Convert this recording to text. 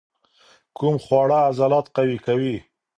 کوم خواړه عضلات قوي کوي؟